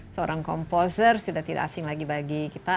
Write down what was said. seorang komposer sudah tidak asing lagi bagi kita